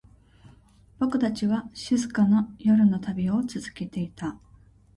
僕たちは、静かな夜の旅を続けていた。